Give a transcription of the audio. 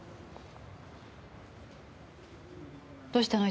どうしたの？